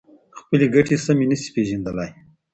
خپلې ګټې سمې نشي پېژندلای.